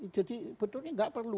jadi betulnya nggak perlu